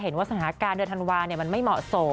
เห็นว่าสถานการณ์เดือนธันวามันไม่เหมาะสม